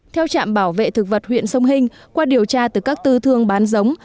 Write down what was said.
theo trạm bảo vệ thực vật huyện sông hình qua điều tra từ các tư thương bán giống